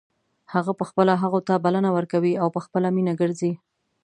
هغه په خپله هغو ته بلنه ورکوي او په خپله مینه ګرځي.